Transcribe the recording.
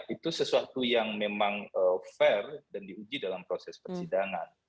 itu sesuatu yang memang fair dan diuji dalam proses persidangan